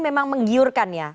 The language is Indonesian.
memang menggiurkan ya